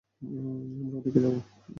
আমরা ওদিকে যাবো।